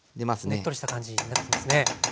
ねっとりした感じになってきますね。